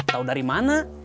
tahu dari mana